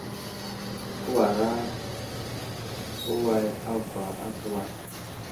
Kewura uway agwa atu way.